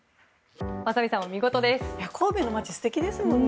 神戸の街素敵ですもんね。